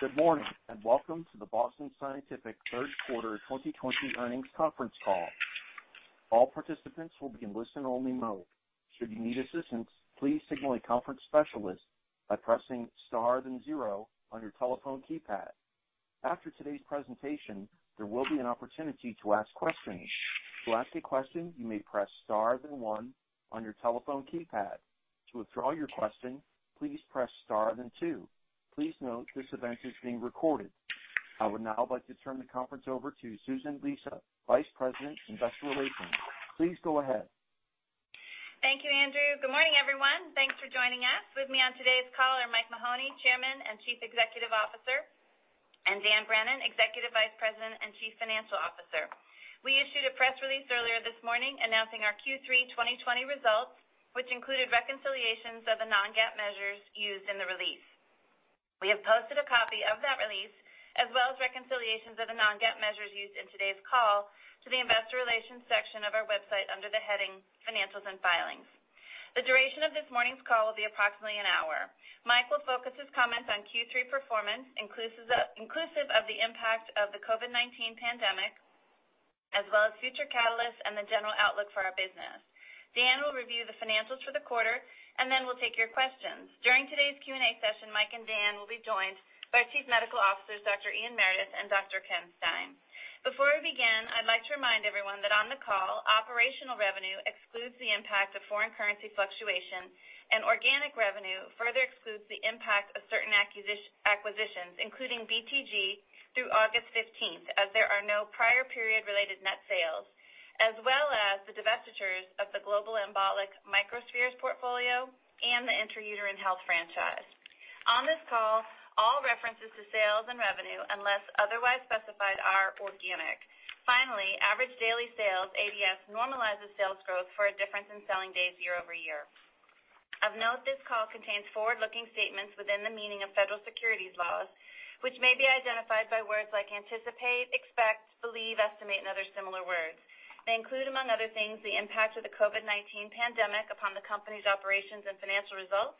Good morning, and welcome to the Boston Scientific third quarter 2020 earnings conference call. All participants will be in a listen-only mode. Should you need assistance, please signal a conference specialist by pressing star then zero on your telephone keypad. After today's presentation, there will be an opportunity to ask questions. To ask a question, you may press star then one on your telephone keypad. To withdraw your question, please press star then two. Please note this event is being recorded. I would now like to turn the conference over to Susan Lisa, Vice President, Investor Relations. Please go ahead. Thank you, Andrew. Good morning, everyone. Thanks for joining us. With me on today's call are Mike Mahoney, Chairman and Chief Executive Officer, and Dan Brennan, Executive Vice President and Chief Financial Officer. We issued a press release earlier this morning announcing our Q3 2020 results, which included reconciliations of the non-GAAP measures used in the release. We have posted a copy of that release, as well as reconciliations of the non-GAAP measures used in today's call to the investor relations section of our website under the heading Financials and Filings. The duration of this morning's call will be approximately an hour. Mike will focus his comments on Q3 performance, inclusive of the impact of the COVID-19 pandemic, as well as future catalysts and the general outlook for our business. Dan will review the financials for the quarter, and then we'll take your questions. During today's Q&A session, Mike and Dan will be joined by our Chief Medical Officers, Dr. Ian Meredith and Dr. Ken Stein. Before we begin, I'd like to remind everyone that on the call, operational revenue excludes the impact of foreign currency fluctuations, and organic revenue further excludes the impact of certain acquisitions, including BTG through August 15, as there are no prior period-related net sales, as well as the divestitures of the global embolic microspheres portfolio and the intrauterine health franchise. On this call, all references to sales and revenue unless otherwise specified are organic. Finally, average daily sales, ADS, normalizes sales growth for a difference in selling days year-over-year. Of note, this call contains forward-looking statements within the meaning of federal securities laws, which may be identified by words like anticipate, expect, believe, estimate, and other similar words. They include, among other things, the impact of the COVID-19 pandemic upon the company's operations and financial results,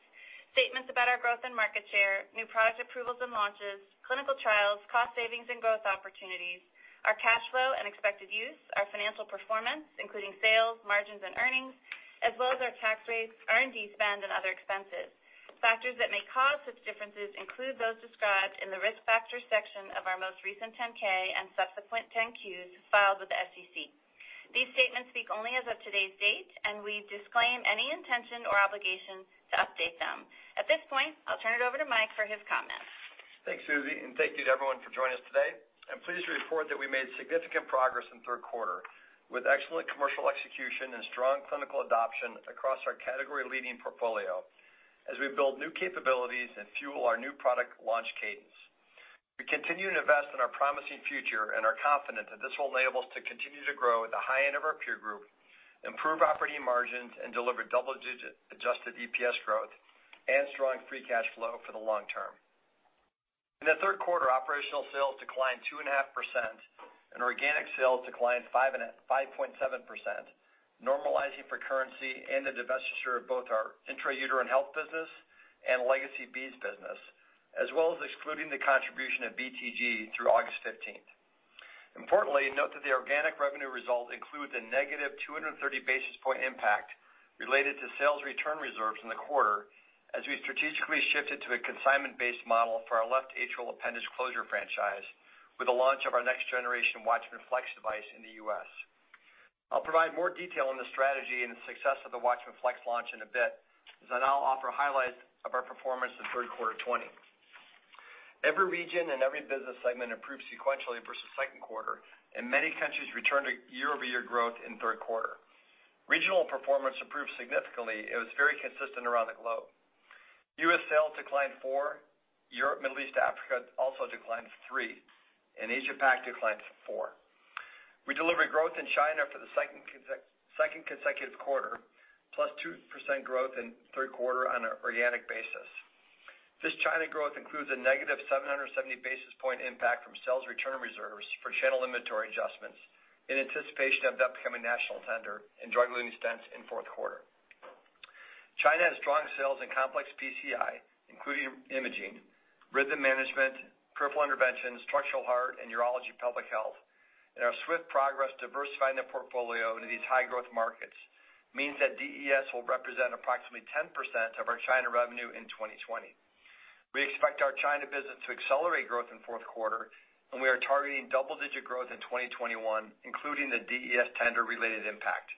statements about our growth and market share, new product approvals and launches, clinical trials, cost savings and growth opportunities, our cash flow and expected use, our financial performance, including sales, margins, and earnings, as well as our tax rates, R&D spend, and other expenses. Factors that may cause such differences include those described in the Risk Factors section of our most recent 10-K and subsequent 10-Qs filed with the SEC. These statements speak only as of today's date, and we disclaim any intention or obligation to update them. At this point, I'll turn it over to Mike for his comments. Thanks, Susie, thank you to everyone for joining us today. I'm pleased to report that we made significant progress in the third quarter with excellent commercial execution and strong clinical adoption across our category-leading portfolio as we build new capabilities and fuel our new product launch cadence. We continue to invest in our promising future and are confident that this will enable us to continue to grow at the high end of our peer group, improve operating margins, and deliver double-digit adjusted EPS growth and strong free cash flow for the long term. In the third quarter, operational sales declined 2.5% and organic sales declined 5.7%, normalizing for currency and the divestiture of both our intrauterine health business and legacy BSC business, as well as excluding the contribution of BTG through August 15th. Importantly, note that the organic revenue result includes a negative 230 basis point impact related to sales return reserves in the quarter as we strategically shifted to a consignment-based model for our left atrial appendage closure franchise with the launch of our next-generation WATCHMAN FLX device in the U.S. I'll provide more detail on the strategy and success of the WATCHMAN FLX launch in a bit, as I now offer highlights of our performance in the third quarter of 2020. Every region and every business segment improved sequentially versus the second quarter, and many countries returned to year-over-year growth in the third quarter. Regional performance improved significantly. It was very consistent around the globe. U.S. sales declined 4%, Europe, Middle East, Africa also declined 3%, and Asia-Pac declined 4%. We delivered growth in China for the second consecutive quarter, +2% growth in the third quarter on an organic basis. This China growth includes a negative 770 basis point impact from sales return reserves for channel inventory adjustments in anticipation of that becoming a national tender and drug-eluting stents in the fourth quarter. China has strong sales in complex PCI, including imaging, rhythm management, peripheral interventions, structural heart, and Uro Pelvic Health. Our swift progress diversifying the portfolio into these high-growth markets means that DES will represent approximately 10% of our China revenue in 2020. We expect our China business to accelerate growth in the fourth quarter. We are targeting double-digit growth in 2021, including the DES tender-related impact.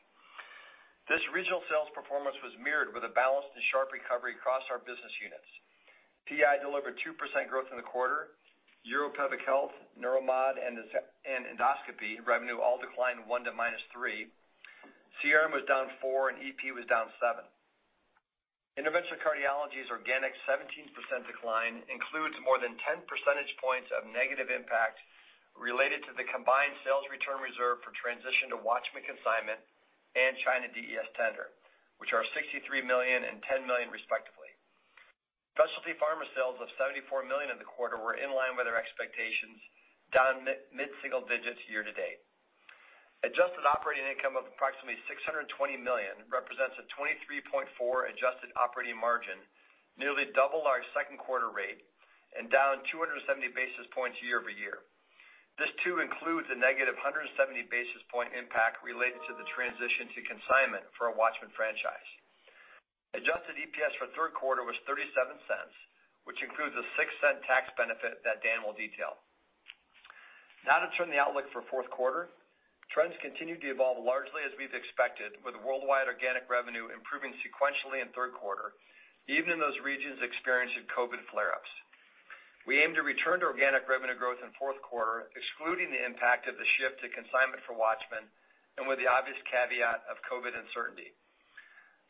This regional sales performance was mirrored with a balanced and sharp recovery across our business units. PI delivered 2% growth in the quarter. Uro Pelvic Health, neuromod, and Endoscopy revenue all declined 1% to -3%. CRM was down 4%, and EP was down 7%. Interventional cardiology's organic 17% decline includes more than 10 percentage points of negative impact related to the combined sales return reserve for transition to WATCHMAN consignment and China DES tender, which are $63 million and $10 million respectively. Specialty pharma sales of $74 million in the quarter were in line with our expectations, down mid-single digits year-to-date. Adjusted operating income of approximately $620 million represents a 23.4% adjusted operating margin, nearly double our second quarter rate and down 270 basis points year-over-year. This too includes a negative 170 basis point impact related to the transition to consignment for our WATCHMAN franchise. Adjusted EPS for third quarter was $0.37, which includes a $0.06 tax benefit that Dan will detail. Now to turn to the outlook for fourth quarter. Trends continue to evolve largely as we've expected, with worldwide organic revenue improving sequentially in third quarter, even in those regions experiencing COVID flare-ups. We aim to return to organic revenue growth in fourth quarter, excluding the impact of the shift to consignment for WATCHMAN, and with the obvious caveat of COVID uncertainty.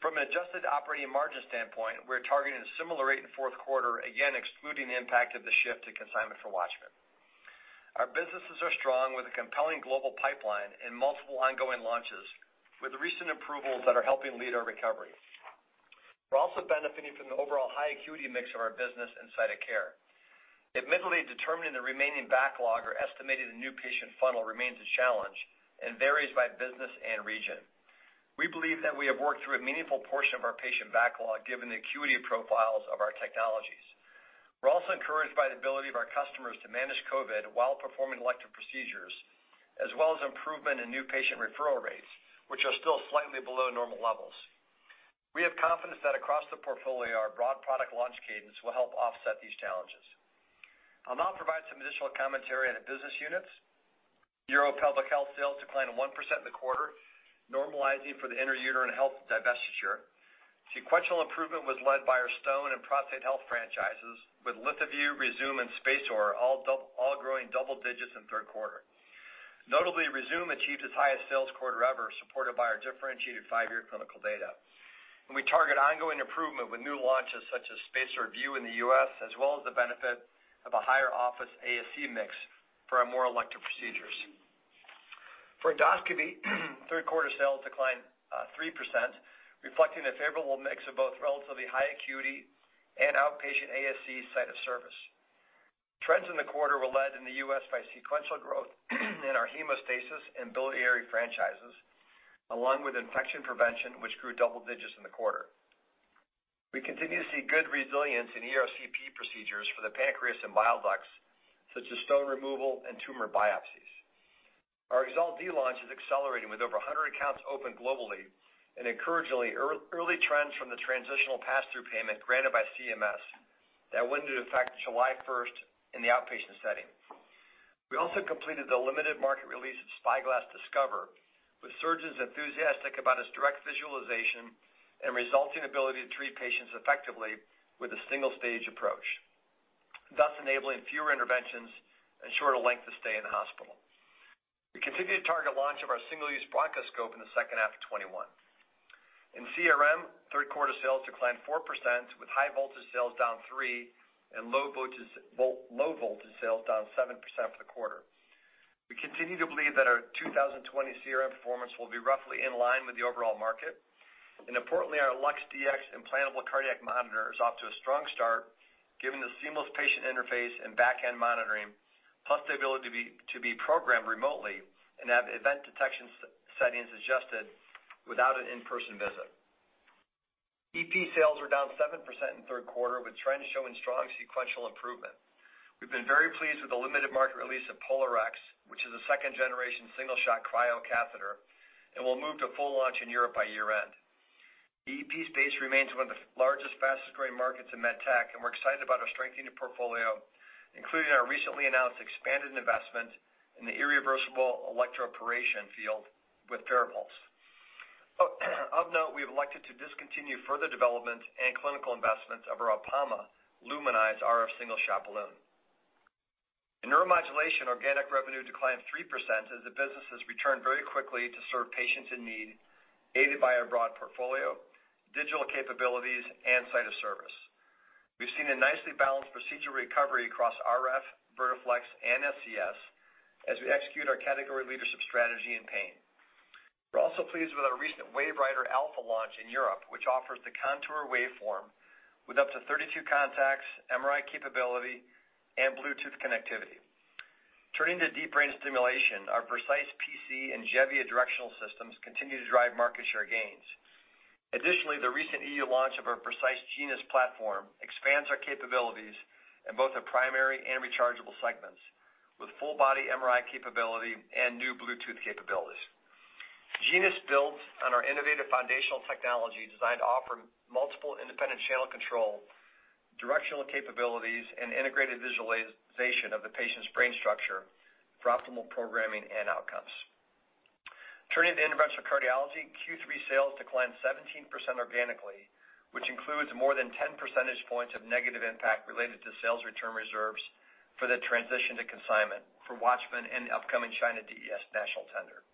From an adjusted operating margin standpoint, we're targeting a similar rate in fourth quarter, again, excluding the impact of the shift to consignment for WATCHMAN. Our businesses are strong with a compelling global pipeline and multiple ongoing launches, with recent approvals that are helping lead our recovery. We're also benefiting from the overall high acuity mix of our business and site of care. Admittedly, determining the remaining backlog or estimating the new patient funnel remains a challenge and varies by business and region. We believe that we have worked through a meaningful portion of our patient backlog, given the acuity profiles of our technologies. We're also encouraged by the ability of our customers to manage COVID while performing elective procedures, as well as improvement in new patient referral rates, which are still slightly below normal levels. We have confidence that across the portfolio, our broad product launch cadence will help offset these challenges. I'll now provide some additional commentary on the business units. Uro Pelvic Health sales declined 1% in the quarter, normalizing for the intra-uterine health divestiture. Sequential improvement was led by our stone and prostate health franchises, with LithoVue, Rezūm, and SpaceOAR all growing double digits in third quarter. Notably, Rezūm achieved its highest sales quarter ever, supported by our differentiated five-year clinical data. We target ongoing improvement with new launches such as SpaceOAR Vue in the U.S., as well as the benefit of a higher office ASC mix for our more elective procedures. For Endoscopy, third quarter sales declined 3%, reflecting a favorable mix of both relatively high acuity and outpatient ASC site of service. Trends in the quarter were led in the U.S. by sequential growth in our hemostasis and biliary franchises, along with infection prevention, which grew double digits in the quarter. We continue to see good resilience in ERCP procedures for the pancreas and bile ducts, such as stone removal and tumor biopsies. Our EXALT D launch is accelerating with over 100 accounts open globally and encouraging early trends from the Transitional Pass-Through payment granted by CMS that went into effect July 1st in the outpatient setting. We also completed the limited market release of SpyGlass Discover, with surgeons enthusiastic about its direct visualization and resulting ability to treat patients effectively with a single-stage approach, thus enabling fewer interventions and shorter length of stay in the hospital. We continue to target launch of our single-use bronchoscope in the second half of 2021. In CRM, third quarter sales declined 4%, with high voltage sales down 3% and low voltage sales down 7% for the quarter. We continue to believe that our 2020 CRM performance will be roughly in line with the overall market. Importantly, our LUX-Dx implantable cardiac monitor is off to a strong start given the seamless patient interface and back-end monitoring, plus the ability to be programmed remotely and have event detection settings adjusted without an in-person visit. EP sales were down 7% in the third quarter, with trends showing strong sequential improvement. We've been very pleased with the limited market release of POLARx, which is a second-generation single-shot cryo catheter, and we'll move to full launch in Europe by year-end. The EP space remains one of the largest, fastest-growing markets in medtech, and we're excited about our strengthening portfolio, including our recently announced expanded investment in the irreversible electroporation field with FARAPULSE. Of note, we have elected to discontinue further development and clinical investments of our Apama LUMINIZE RF single-shot balloon. In neuromodulation, organic revenue declined 3% as the business has returned very quickly to serve patients in need, aided by our broad portfolio, digital capabilities, and site of service. We've seen a nicely balanced procedural recovery across RF, Vertiflex, and SCS as we execute our category leadership strategy in pain. We're also pleased with our recent WaveWriter Alpha launch in Europe, which offers the contour waveform with up to 32 contacts, MRI capability, and Bluetooth connectivity. Turning to deep brain stimulation, our Vercise PC and Gevia directional systems continue to drive market share gains. Additionally, the recent EU launch of our Vercise Genus platform expands our capabilities in both the primary and rechargeable segments, with full-body MRI capability and new Bluetooth capabilities. Genus builds on our innovative foundational technology designed to offer multiple independent channel control, directional capabilities, and integrated visualization of the patient's brain structure for optimal programming and outcomes. Turning to Interventional Cardiology, Q3 sales declined 17% organically, which includes more than 10 percentage points of negative impact related to sales return reserves for the transition to consignment for WATCHMAN and the upcoming China DES national tender.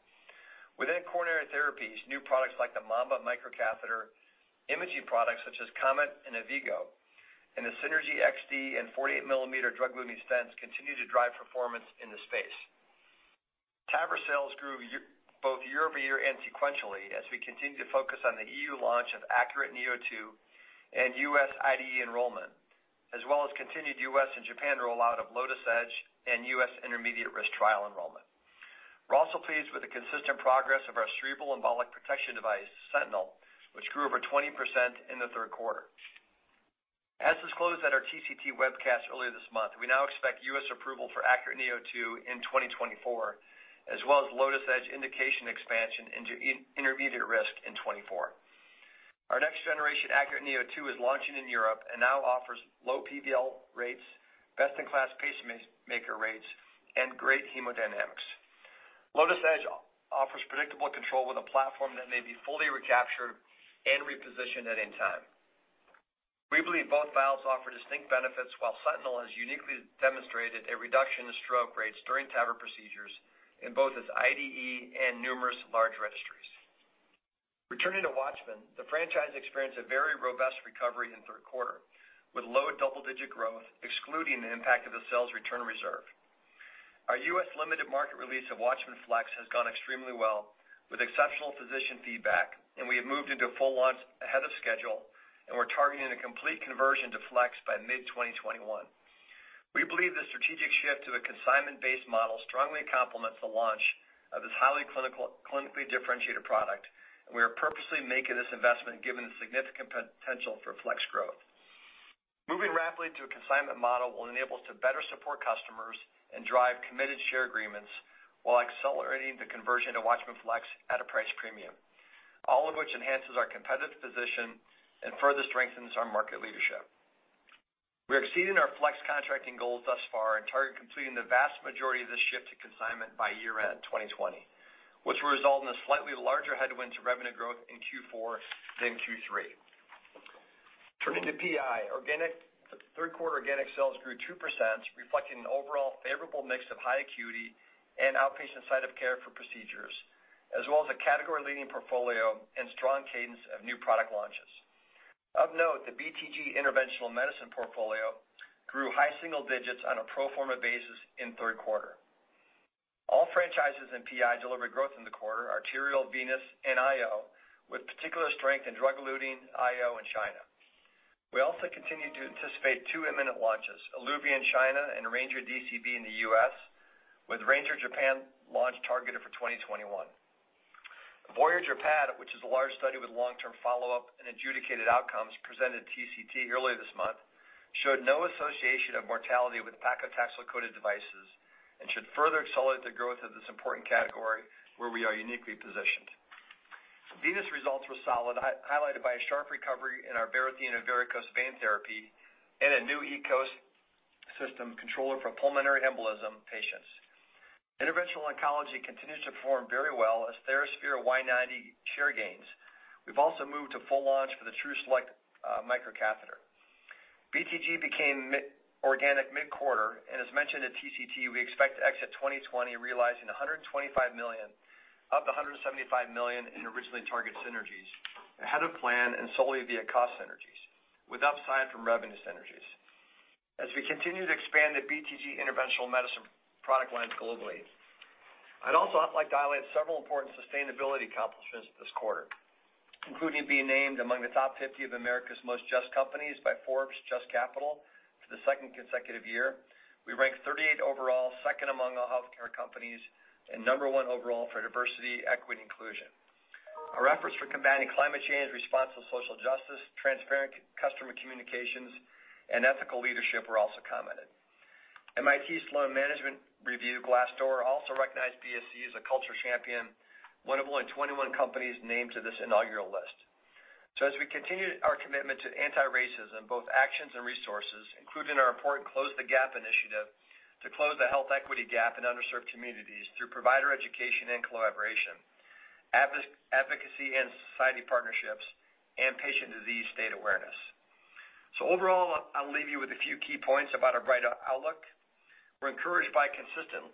Within coronary therapies, new products like the MAMBA microcatheter, imaging products such as COMET and AVVIGO, and the SYNERGY XD and 48 mm drug-eluting stents continue to drive performance in the space. TAVR sales grew both year-over-year and sequentially as we continue to focus on the EU launch of ACURATE neo2 and U.S. IDE enrollment. As well as continued U.S. and Japan rollout of LOTUS Edge and U.S. intermediate risk trial enrollment. We're also pleased with the consistent progress of our cerebral embolic protection device, SENTINEL, which grew over 20% in the third quarter. As disclosed at our TCT webcast earlier this month, we now expect U.S. approval for ACURATE neo2 in 2024, as well as LOTUS Edge indication expansion into intermediate risk in 2024. Our next generation ACURATE neo2 is launching in Europe and now offers low PVL rates, best-in-class pacemaker rates, and great hemodynamics. LOTUS Edge offers predictable control with a platform that may be fully recaptured and repositioned at any time. We believe both valves offer distinct benefits, while SENTINEL has uniquely demonstrated a reduction of stroke rates during TAVR procedures in both its IDE and numerous large registries. Returning to WATCHMAN, the franchise experienced a very robust recovery in third quarter, with low double-digit growth, excluding the impact of the sales return reserve. Our U.S. limited market release of WATCHMAN FLX has gone extremely well, with exceptional physician feedback. We have moved into a full launch ahead of schedule. We're targeting a complete conversion to FLX by mid-2021. We believe the strategic shift to a consignment-based model strongly complements the launch of this highly clinically differentiated product. We are purposely making this investment given the significant potential for FLX growth. Moving rapidly to a consignment model will enable us to better support customers and drive committed share agreements while accelerating the conversion to WATCHMAN FLX at a price premium, all of which enhances our competitive position and further strengthens our market leadership. We are exceeding our FLX contracting goals thus far and target completing the vast majority of this shift to consignment by year-end 2020, which will result in a slightly larger headwind to revenue growth in Q4 than Q3. Turning to PI, third quarter organic sales grew 2%, reflecting an overall favorable mix of high acuity and outpatient site of care for procedures, as well as a category-leading portfolio and strong cadence of new product launches. Of note, the BTG Interventional Medicine portfolio grew high single digits on a pro forma basis in third quarter. All franchises in PI delivered growth in the quarter, arterial, venous, and IO, with particular strength in drug-eluting IO in China. We also continue to anticipate two imminent launches, Eluvia China and Ranger DCB in the U.S., with Ranger Japan launch targeted for 2021. VOYAGER PAD, which is a large study with long-term follow-up and adjudicated outcomes presented at TCT earlier this month, showed no association of mortality with paclitaxel-coated devices and should further accelerate the growth of this important category where we are uniquely positioned. Venous results were solid, highlighted by a sharp recovery in our Varithena varicose vein therapy and a new EKOS system controller for pulmonary embolism patients. Interventional oncology continues to perform very well as TheraSphere Y-90 share gains. We've also moved to full launch for the TRUSELECT microcatheter. BTG became organic mid-quarter, and as mentioned at TCT, we expect to exit 2020 realizing $125 million of the $175 million in originally targeted synergies ahead of plan and solely via cost synergies, with upside from revenue synergies. As we continue to expand the BTG Interventional Medicine product lines globally. I'd also like to highlight several important sustainability accomplishments this quarter, including being named among the top 50 of America's Most JUST Companies by Forbes/JUST Capital for the second consecutive year. We ranked 38 overall, second among all healthcare companies, and number one overall for diversity, equity, and inclusion. Our efforts for combating climate change, responsive social justice, transparent customer communications, and ethical leadership were also commented. MIT Sloan Management Review Glassdoor also recognized BSC as a Culture Champion, one of only 21 companies named to this inaugural list. As we continue our commitment to anti-racism, both actions and resources, including our important Close the Gap initiative to close the health equity gap in underserved communities through provider education and collaboration, advocacy and society partnerships, and patient disease state awareness. Overall, I'll leave you with a few key points about our brighter outlook. We're encouraged by consistent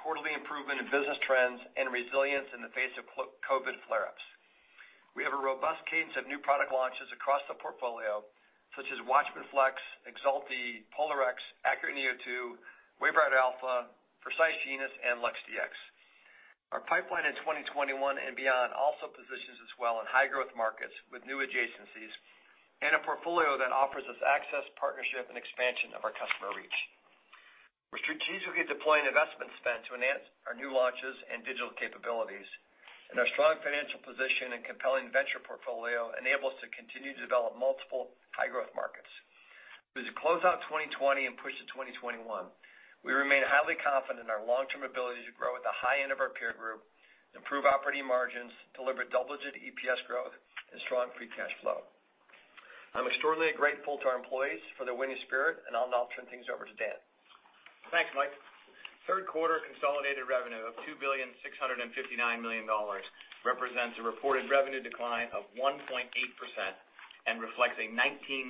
quarterly improvement in business trends and resilience in the face of COVID flare-ups. We have a robust cadence of new product launches across the portfolio, such as WATCHMAN FLX, EXALT, POLARx, ACURATE neo2, WaveWriter Alpha, Vercise Genus, and LUX-Dx. Our pipeline in 2021 and beyond also positions us well in high-growth markets with new adjacencies and a portfolio that offers us access, partnership, and expansion of our customer reach. We're strategically deploying investment spend to enhance our new launches and digital capabilities, and our strong financial position and compelling venture portfolio enable us to continue to develop multiple high-growth markets. As we close out 2020 and push to 2021, we remain highly confident in our long-term ability to grow at the high end of our peer group, improve operating margins, deliver double-digit EPS growth, and strong free cash flow. I'm extraordinarily grateful to our employees for their winning spirit, and I'll now turn things over to Dan. Thanks, Mike. Third quarter consolidated revenue of $2.659 billion represents a reported revenue decline of 1.8% and reflects a $19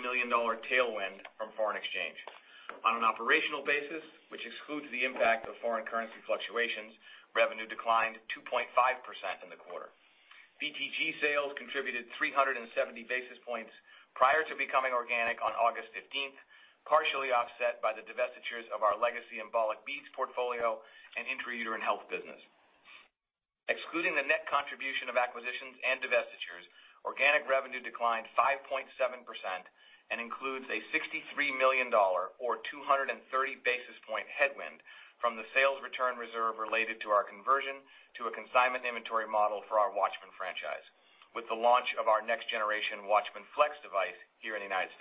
million tailwind from foreign exchange. On an operational basis, which excludes the impact of foreign currency fluctuations, revenue declined 2.5% in the quarter. BTG sales contributed 370 basis points prior to becoming organic on August 15th, partially offset by the divestitures of our legacy embolic beads portfolio and intra-uterine health business. Excluding the net contribution of acquisitions and divestitures, organic revenue declined 5.7% and includes a $63 million or 230 basis point headwind from the sales return reserve related to our conversion to a consignment inventory model for our WATCHMAN franchise with the launch of our next generation WATCHMAN FLX device here in the U.S.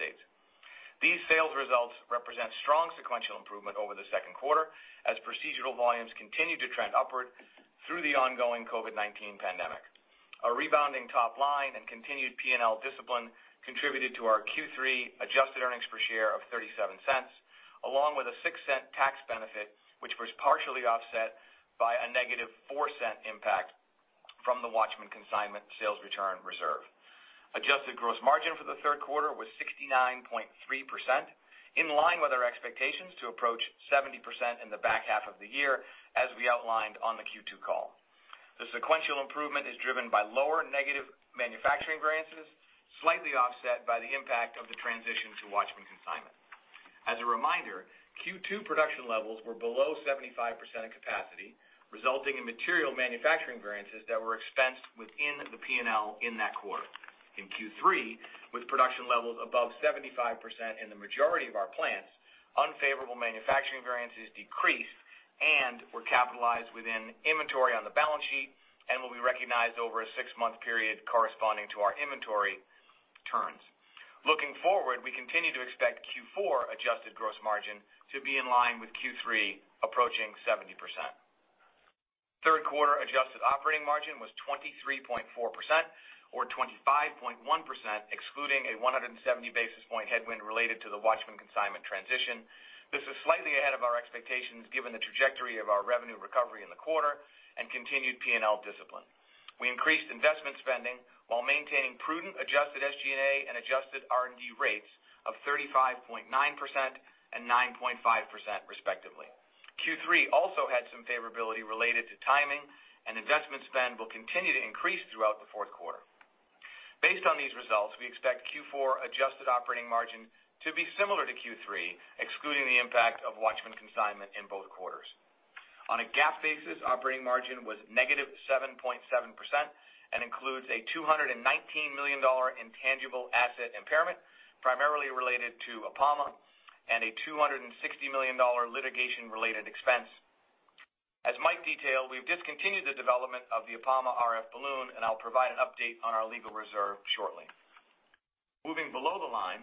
These sales results represent strong sequential improvement over the second quarter as procedural volumes continued to trend upward through the ongoing COVID-19 pandemic. Our rebounding top line and continued P&L discipline contributed to our Q3 adjusted earnings per share of $0.37, along with a $0.06 tax benefit, which was partially offset by a negative $0.04 impact from the WATCHMAN consignment sales return reserve. Adjusted gross margin for the third quarter was 69.3%, in line with our expectations to approach 70% in the back half of the year, as we outlined on the Q2 call. The sequential improvement is driven by lower negative manufacturing variances, slightly offset by the impact of the transition to WATCHMAN consignment. As a reminder, Q2 production levels were below 75% of capacity, resulting in material manufacturing variances that were expensed within the P&L in that quarter. In Q3, with production levels above 75% in the majority of our plants, unfavorable manufacturing variances decreased and were capitalized within inventory on the balance sheet and will be recognized over a six-month period corresponding to our inventory turns. Looking forward, we continue to expect Q4 adjusted gross margin to be in line with Q3, approaching 70%. Third quarter adjusted operating margin was 23.4%, or 25.1%, excluding a 170 basis point headwind related to the WATCHMAN consignment transition. This is slightly ahead of our expectations given the trajectory of our revenue recovery in the quarter and continued P&L discipline. We increased investment spending while maintaining prudent adjusted SG&A and adjusted R&D rates of 35.9% and 9.5%, respectively. Q3 also had some favorability related to timing, and investment spend will continue to increase throughout the fourth quarter. Based on these results, we expect Q4 adjusted operating margin to be similar to Q3, excluding the impact of WATCHMAN consignment in both quarters. On a GAAP basis, operating margin was -7.7% and includes a $219 million intangible asset impairment, primarily related to Apama, and a $260 million litigation-related expense. As Mike detailed, we've discontinued the development of the Apama RF balloon. I'll provide an update on our legal reserve shortly. Moving below the line,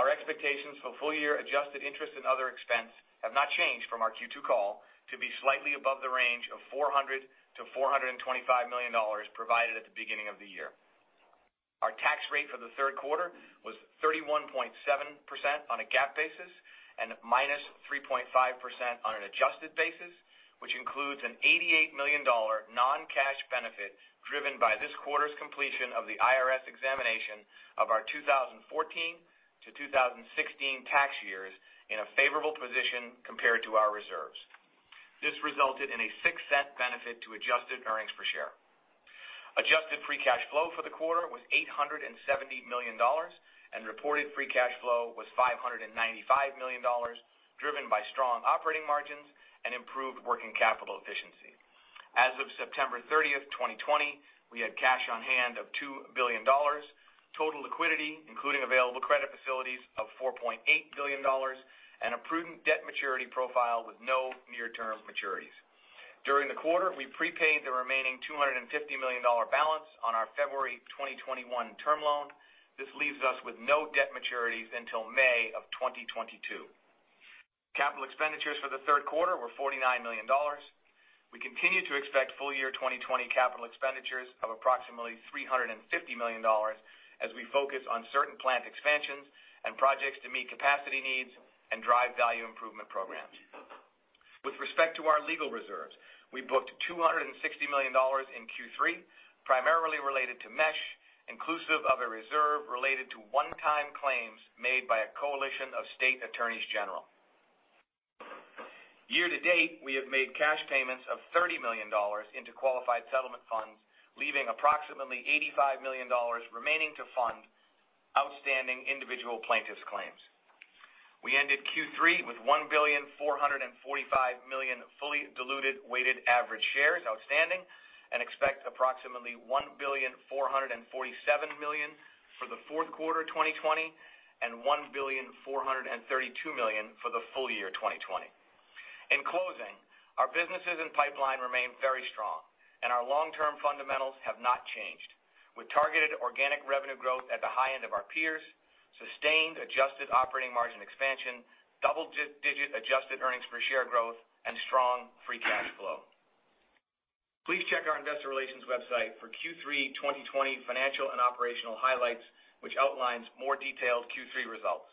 our expectations for full-year adjusted interest and other expense have not changed from our Q2 call to be slightly above the range of $400 million-$425 million provided at the beginning of the year. Our tax rate for the third quarter was 31.7% on a GAAP basis and minus 3.5% on an adjusted basis, which includes an $88 million non-cash benefit driven by this quarter's completion of the IRS examination of our 2014 to 2016 tax years in a favorable position compared to our reserves. This resulted in a $0.06 benefit to adjusted earnings per share. Adjusted free cash flow for the quarter was $870 million, and reported free cash flow was $595 million, driven by strong operating margins and improved working capital efficiency. As of September 30th, 2020, we had cash on hand of $2 billion, total liquidity, including available credit facilities of $4.8 billion, and a prudent debt maturity profile with no near-term maturities. During the quarter, we prepaid the remaining $250 million balance on our February 2021 term loan. This leaves us with no debt maturities until May of 2022. Capital expenditures for the third quarter were $49 million. We continue to expect full-year 2020 capital expenditures of approximately $350 million as we focus on certain plant expansions and projects to meet capacity needs and drive value improvement programs. With respect to our legal reserves, we booked $260 million in Q3, primarily related to mesh, inclusive of a reserve related to one-time claims made by a coalition of state attorneys general. Year to date, we have made cash payments of $30 million into qualified settlement funds, leaving approximately $85 million remaining to fund outstanding individual plaintiffs' claims. We ended Q3 with 1.445 billion fully diluted weighted average shares outstanding and expect approximately 1.447 billion for the fourth quarter 2020 and 1.432 billion for the full year 2020. In closing, our businesses and pipeline remain very strong, and our long-term fundamentals have not changed. With targeted organic revenue growth at the high end of our peers, sustained adjusted operating margin expansion, double-digit adjusted earnings per share growth, and strong free cash flow. Please check our investor relations website for Q3 2020 financial and operational highlights, which outlines more detailed Q3 results.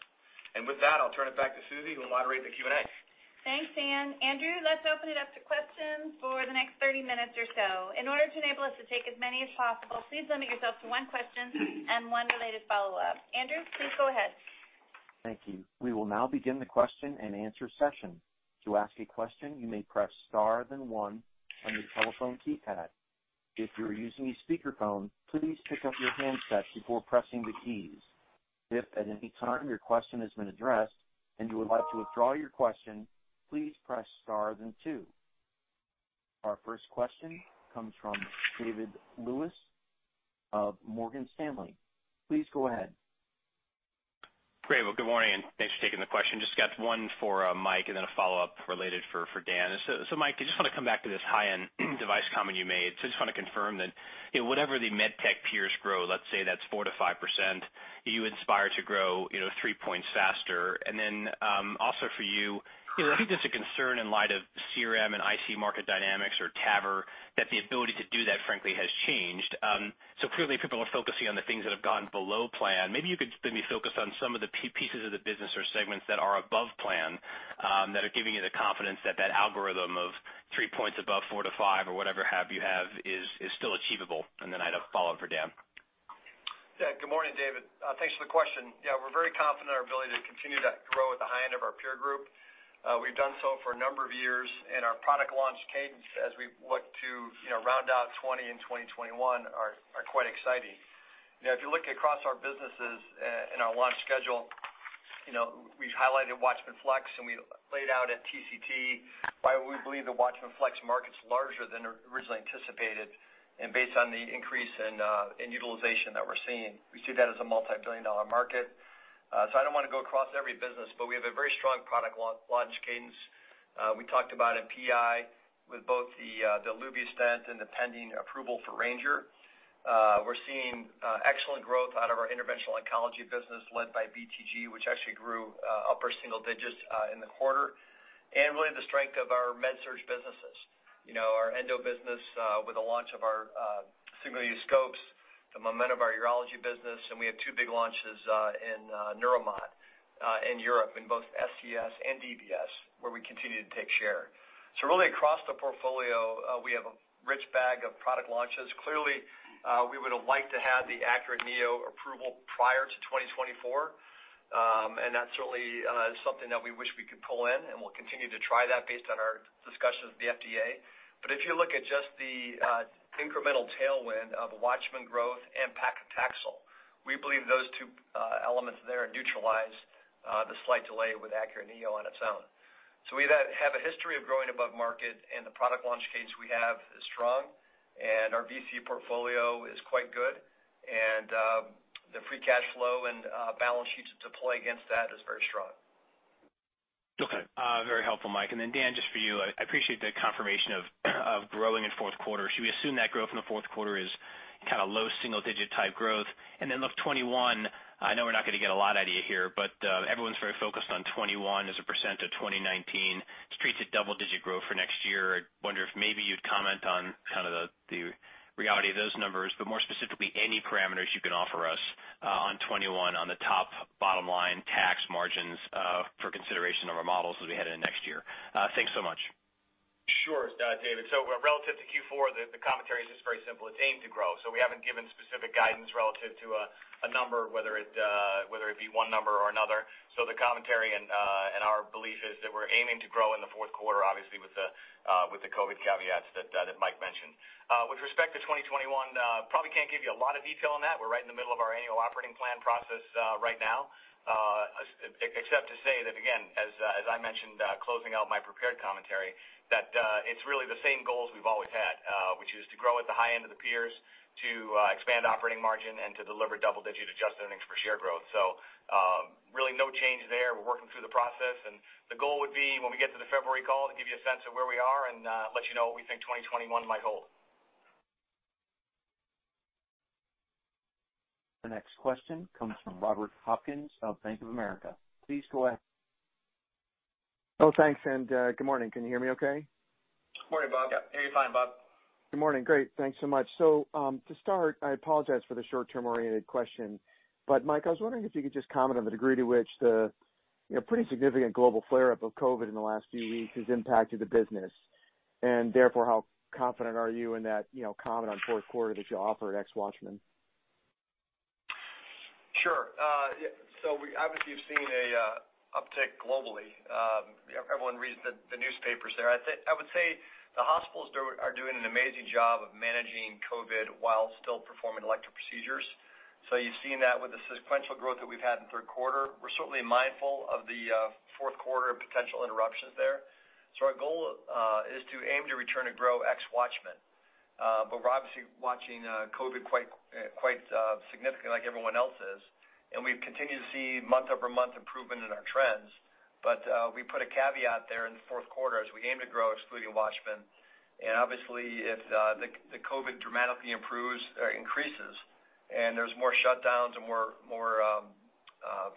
With that, I'll turn it back to Susie, who will moderate the Q&A. Thanks, Dan. Andrew, let's open it up to questions for the next 30 minutes or so. In order to enable us to take as many as possible, please limit yourself to one question and one related follow-up. Andrew, please go ahead. Thank you. We will now begin the question and answer session. To ask a question, you may press star then one on your telephone keypad. If you are using a speakerphone, please pick up your handset before pressing the keys. If at any time your question has been addressed and you would like to withdraw your question, please press star then two. Our first question comes from David Lewis of Morgan Stanley. Please go ahead. Great. Well, good morning, and thanks for taking the question. Just got one for Mike and then a follow-up related for Dan. Mike, I just want to come back to this high-end device comment you made. I just want to confirm that whatever the medtech peers grow, let's say that's 4% to 5%, you aspire to grow three points faster. Also for you, I think there's a concern in light of CRM and IC market dynamics or TAVR that the ability to do that frankly has changed. Clearly people are focusing on the things that have gone below plan. You could focus on some of the pieces of the business or segments that are above plan that are giving you the confidence that that algorithm of three points above four to five or whatever have you is still achievable. I'd have a follow-up for Dan. Good morning, David. Thanks for the question. We're very confident in our ability to continue to grow at the high end of our peer group. We've done so for a number of years. Our product launch cadence as we look to round out 2020 and 2021 are quite exciting. If you look across our businesses and our launch schedule, we've highlighted WATCHMAN FLX and we laid out at TCT why we believe the WATCHMAN FLX market's larger than originally anticipated. Based on the increase in utilization that we're seeing, we see that as a multibillion-dollar market. I don't want to go across every business, but we have a very strong product launch cadence. We talked about in PI with both the Eluvia stent and the pending approval for Ranger. We're seeing excellent growth out of our interventional oncology business led by BTG, which actually grew upper single digits in the quarter, and really the strength of our med surg businesses. Our endo business with the launch of our single-use scopes, the momentum of our urology business, and we have two big launches in neuromod in Europe in both SCS and DBS where we continue to take share. Really across the portfolio, we have a rich bag of product launches. Clearly, we would've liked to have the ACURATE neo approval prior to 2024. That certainly is something that we wish we could pull in and we'll continue to try that based on our discussions with the FDA. If you look at just the incremental tailwind of WATCHMAN growth and paclitaxel, we believe those two elements there neutralize the slight delay with ACURATE neo on its own. We have a history of growing above market and the product launch case we have is strong and our VC portfolio is quite good. The free cash flow and balance sheet to play against that is very strong. Very helpful, Mike. Dan, just for you, I appreciate the confirmation of growing in fourth quarter. Should we assume that growth in the fourth quarter is kind of low single digit type growth? Look, 2021, I know we're not going to get a lot out of you here, but everyone's very focused on 2021 as a % of 2019. Street's at double digit growth for next year. I wonder if maybe you'd comment on kind of the reality of those numbers, but more specifically any parameters you can offer us on 2021 on the top bottom line tax margins for consideration of our models as we head into next year. Thanks so much. Sure. David. Relative to Q4, the commentary is just very simple. It's aim to grow. We haven't given specific guidance relative to a number, whether it be one number or another. The commentary and our belief is that we're aiming to grow in the fourth quarter, obviously with the COVID caveats that Mike mentioned. With respect to 2021, probably can't give you a lot of detail on that. We're right in the middle of our annual operating plan process right now. Except to say that again, as I mentioned closing out my prepared commentary, that it's really the same goals we've always had, which is to grow at the high end of the peers, to expand operating margin and to deliver double-digit adjusted earnings per share growth. Really no change there. We're working through the process and the goal would be when we get to the February call to give you a sense of where we are and let you know what we think 2021 might hold. The next question comes from Robert Hopkins of Bank of America. Please go ahead. Oh, thanks. Good morning. Can you hear me okay? Morning, Bob. Yeah. Can hear you fine, Bob. Good morning. Great. Thanks so much. To start, I apologize for the short term oriented question, Mike, I was wondering if you could just comment on the degree to which the pretty significant global flare up of COVID-19 in the last few weeks has impacted the business, Therefore, how confident are you in that comment on fourth quarter that you offered ex WATCHMAN? Sure. Obviously you've seen an uptick globally. Everyone reads the newspapers there. I would say the hospitals are doing an amazing job of managing COVID while still performing elective procedures. You've seen that with the sequential growth that we've had in third quarter. We're certainly mindful of the fourth quarter potential interruptions there. Our goal is to aim to return and grow ex WATCHMAN. We're obviously watching COVID quite significantly like everyone else is, and we've continued to see month-over-month improvement in our trends. We put a caveat there in the fourth quarter as we aim to grow excluding WATCHMAN. Obviously if the COVID dramatically improves or increases and there's more shutdowns and more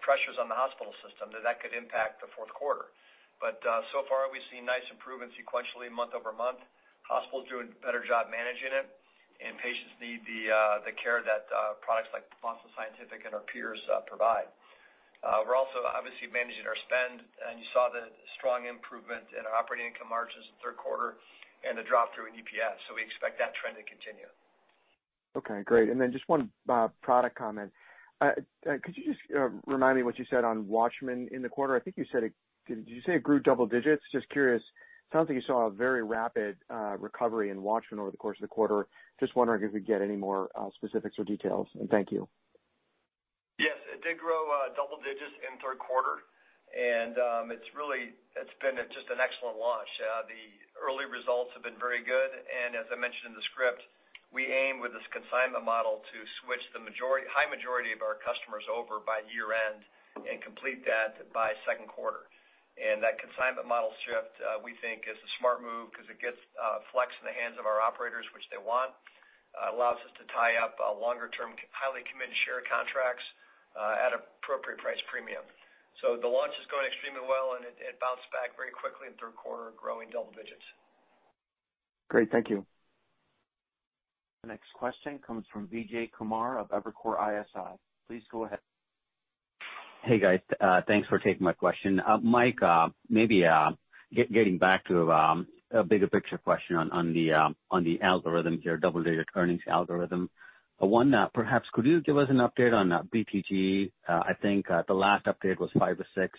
pressures on the hospital system, then that could impact the fourth quarter. So far we've seen nice improvements sequentially month-over-month. Hospitals doing a better job managing it and patients need the care that products like Boston Scientific and our peers provide. We are also obviously managing our spend and you saw the strong improvement in our operating income margins in third quarter and the drop through in EPS. We expect that trend to continue. Okay, great. Just one product comment. Could you just remind me what you said on WATCHMAN in the quarter? I think you said it, did you say it grew double digits? Just curious. Sounds like you saw a very rapid recovery in WATCHMAN over the course of the quarter. Just wondering if we could get any more specifics or details and thank you. It did grow double digits in third quarter. It's been just an excellent launch. The early results have been very good. As I mentioned in the script, we aim with this consignment model to switch the high majority of our customers over by year end and complete that by second quarter. That consignment model shift, we think is a smart move because it gets WATCHMAN FLX in the hands of our operators, which they want. It allows us to tie up longer-term, highly committed share contracts at appropriate price premium. The launch is going extremely well. It bounced back very quickly in third quarter, growing double digits. Great. Thank you. The next question comes from Vijay Kumar of Evercore ISI. Please go ahead. Hey, guys. Thanks for taking my question. Mike, maybe getting back to a bigger picture question on the algorithm here, double-digit earnings algorithm. One, perhaps could you give us an update on BTG? I think the last update was five or six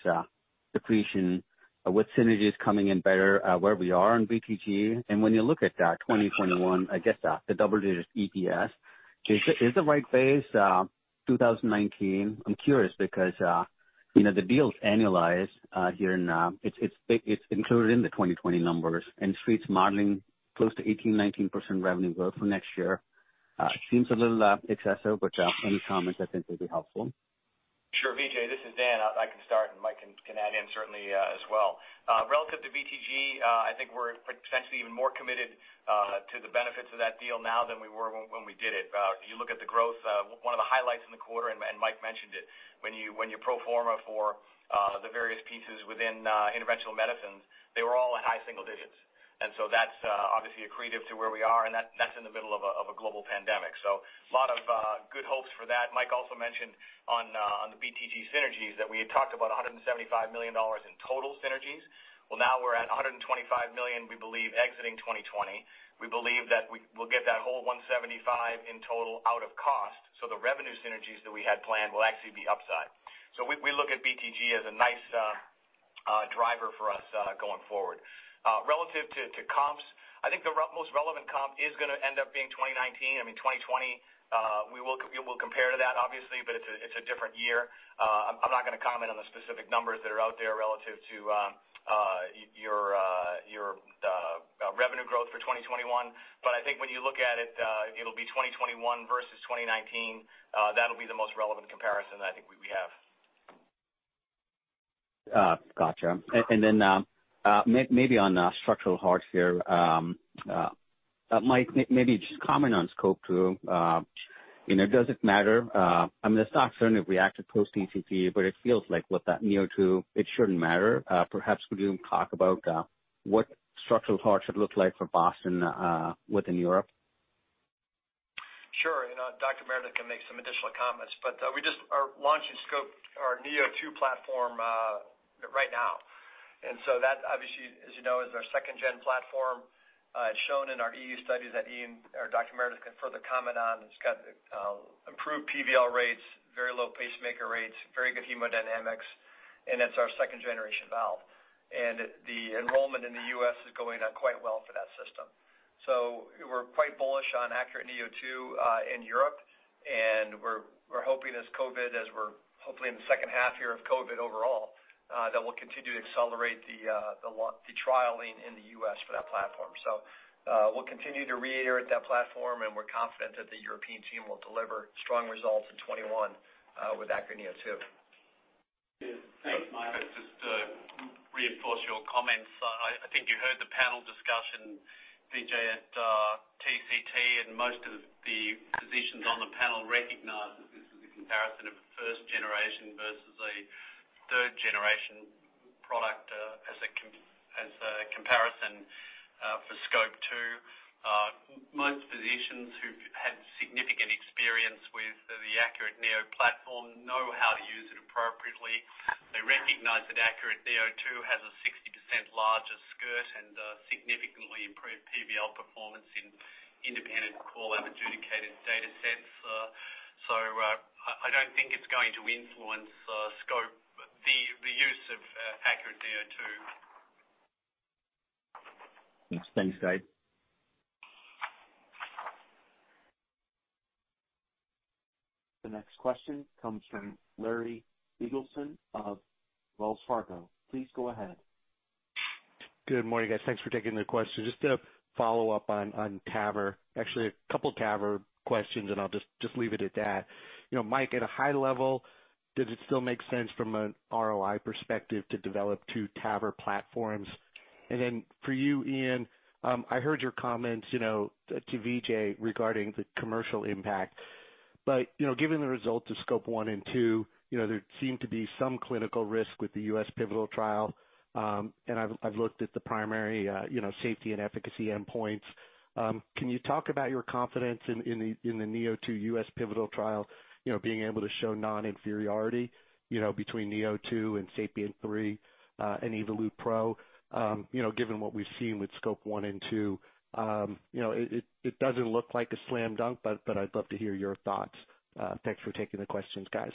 accretion. With synergies coming in better, where we are on BTG? When you look at that 2021, I guess, the double-digit EPS, is it right phase 2019? I'm curious because the deals annualize here and it's included in the 2020 numbers, Street's modeling close to 18%, 19% revenue growth for next year. Seems a little excessive, any comments, I think, would be helpful. Sure, Vijay, this is Dan. I can start. Mike can add in certainly as well. Relative to BTG, I think we're potentially even more committed to the benefits of that deal now than we were when we did it. If you look at the growth, one of the highlights in the quarter. Mike mentioned it, when you pro forma for the various pieces within interventional medicines, they were all in high single digits. That's obviously accretive to where we are, and that's in the middle of a global pandemic. A lot of good hopes for that. Mike also mentioned on the BTG synergies that we had talked about $175 million in total synergies. Well, now we're at $125 million we believe exiting 2020. We believe that we'll get that whole $175 million in total out of cost, so the revenue synergies that we had planned will actually be upside. We look at BTG as a nice driver for us going forward. Relative to comps, I think the most relevant comp is going to end up being 2019. 2020, we will compare to that obviously, but it's a different year. I'm not going to comment on the specific numbers that are out there relative to your revenue growth for 2021. I think when you look at it'll be 2021 versus 2019. That'll be the most relevant comparison I think we have. Got you. Maybe on structural heart here. Mike, maybe just comment on SCOPE 2. Does it matter? I mean, the stock certainly reacted post TCT, but it feels like with that neo2, it shouldn't matter. Perhaps could you talk about what structural heart should look like for Boston within Europe? Sure. Dr. Meredith can make some additional comments, we just are launching ACURATE, our neo2 platform right now. That obviously, as you know, is our second-gen platform. It's shown in our EU studies that Ian or Dr. Meredith can further comment on. It's got improved PVL rates, very low pacemaker rates, very good hemodynamics, and it's our second-generation valve. The enrollment in the U.S. is going quite well for that system. We're quite bullish on ACURATE neo2 in Europe, and we're hoping as we're hopefully in the second half year of COVID-19 overall, that we'll continue to accelerate the trialing in the U.S. for that platform. We'll continue to reiterate that platform, and we're confident that the European team will deliver strong results in 2021 with ACURATE neo2. Thanks, Mike. Just to reinforce your comments, I think you heard the panel discussion, Vijay, at TCT, and most of the physicians on the panel recognize that this is a comparison of a first generation versus a third generation product as a comparison for SCOPE 2. Most physicians who've had significant experience with the ACURATE neo platform know how to use it appropriately. They recognize that ACURATE neo2 has a 60% larger skirt and significantly improved PVL performance in independent core lab adjudicated data sets. I don't think it's going to influence the use of ACURATE neo2. Thanks, guys. The next question comes from Larry Biegelsen of Wells Fargo. Please go ahead. Good morning, guys. Thanks for taking the question. Just a follow-up on TAVR. Actually, a couple TAVR questions, and I'll just leave it at that. Mike, at a high level, did it still make sense from an ROI perspective to develop two TAVR platforms? Then for you, Ian, I heard your comments to Vijay regarding the commercial impact. Given the results of SCOPE 1 and 2, there seemed to be some clinical risk with the U.S. pivotal trial, and I've looked at the primary safety and efficacy endpoints. Can you talk about your confidence in the Neo2 U.S. pivotal trial being able to show non-inferiority between Neo2 and SAPIEN 3 and Evolut PRO, given what we've seen with SCOPE 1 and 2? It doesn't look like a slam dunk, but I'd love to hear your thoughts. Thanks for taking the questions, guys.